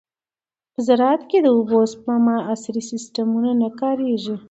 په زراعت کې د اوبو د سپما عصري سیستمونه نه کارېږي.